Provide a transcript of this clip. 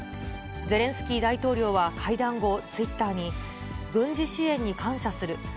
ゼレンスキー大統領は会談後、ツイッターに、軍事支援に感謝する。